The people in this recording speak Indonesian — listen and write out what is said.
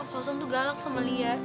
om fauzan tuh galak sama liat